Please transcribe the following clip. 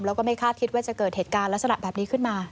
แล้วก็ไม่คาดคิดว่าจะเกิดเหตุการณ์ลักษณะแบบนี้ขึ้นมา